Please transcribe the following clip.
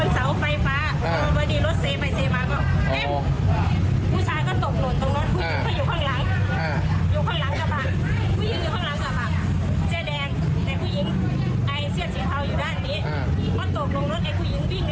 ตายมาเหมือนเข้าร่วม